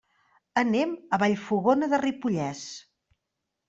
Anem a Vallfogona de Ripollès.